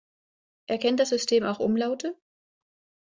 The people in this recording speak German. Erkennt das System auch Umlaute?